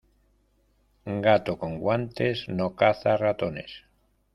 Gato con guantes, no caza ratones.